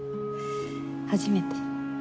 初めて。